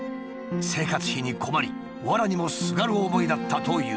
生活費に困りわらにもすがる思いだったという。